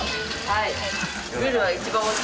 はい。